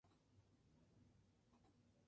Proyecto de vanguardia y proyección internacional.